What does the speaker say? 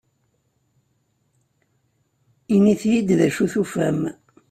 Init-iyi-d d acu tufam.